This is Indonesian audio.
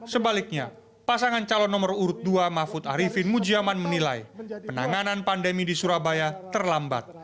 sebaliknya pasangan calon nomor urut dua mahfud arifin mujiaman menilai penanganan pandemi di surabaya terlambat